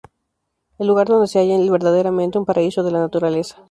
El lugar donde se halla es verdaderamente un paraíso de la naturaleza.